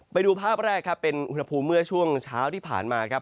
ไปดูภาพแรกครับเป็นอุณหภูมิเมื่อช่วงเช้าที่ผ่านมาครับ